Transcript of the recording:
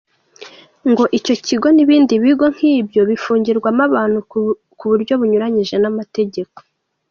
Ngo icyo kigo n’ibindi bigo nk’ibyo bifungirwamo abantu ku bunyuranyije n’amategeko.